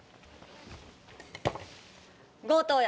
強盗や！